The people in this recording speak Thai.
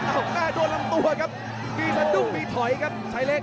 หน้าโดดลำตัวกับมีสลักดุขมีถอยครับชายเล็ก